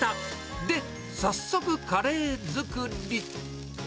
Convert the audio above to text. で、早速、カレー作り。